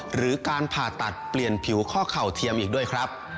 หรือการผ่าตัดเปลี่ยนผิวข้อเข่าเทียมอีกด้วยครับ